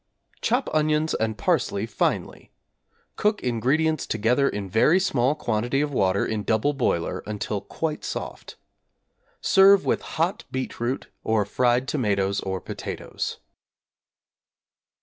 Chop onions and parsley finely; cook ingredients together in very small quantity of water in double boiler until quite soft. Serve with hot beetroot, or fried tomatoes or potatoes.